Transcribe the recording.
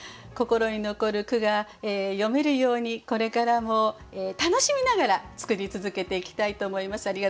心に残る句が詠めるようにこれからも楽しみながら作り続けていきたいと思います。